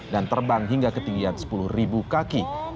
dan terbang hingga ketinggian sepuluh kaki